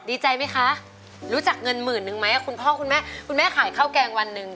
ดีใจไหมคะรู้จักเงินหมื่นนึงไหมคุณพ่อคุณแม่คุณแม่ขายข้าวแกงวันหนึ่ง